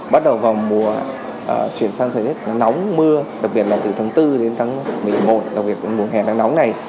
bắt đầu vào mùa chuyển sang thời tiết nóng mưa đặc biệt là từ tháng bốn đến tháng một mươi một đặc biệt là mùa hè nóng này